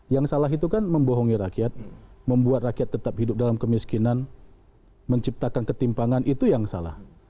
yang salah itu kan membohongi rakyat membuat rakyat tetap hidup dalam kemiskinan menciptakan ketimpangan itu yang salah